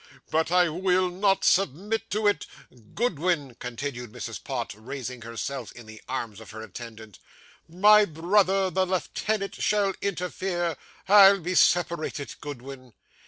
But I will not submit to it! Goodwin,' continued Mrs. Pott, raising herself in the arms of her attendant, 'my brother, the lieutenant, shall interfere. I'll be separated, Goodwin!